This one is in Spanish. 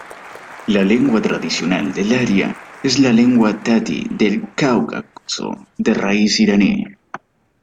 La lengua tradicional del área es la lengua tati del Cáucaso, de raíz iraní.